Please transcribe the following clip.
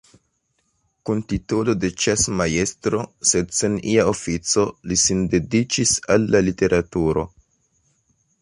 Kun titolo de ĉasmajstro, sed sen ia ofico, li sin dediĉis al la literaturo.